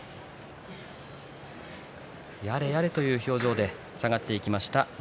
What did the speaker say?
やれやれという表情で下がっていきました翠